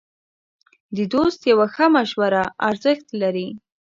د دوست یوه ښه مشوره ارزښت لري.